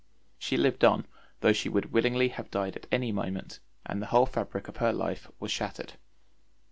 She lived on, though she would willingly have died at any moment, and the whole fabric of her life was shattered.